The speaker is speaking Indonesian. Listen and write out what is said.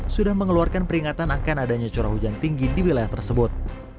sudah mengeluarkan peringatan akan adanya curah hujan tinggi di wilayah tersebut